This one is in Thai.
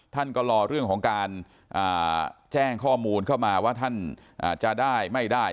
ท่านก็รอเรื่องของการแจ้งข้อมูลเข้ามาว่าท่านจะได้ไม่ได้